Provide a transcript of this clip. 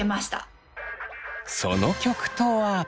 その曲とは。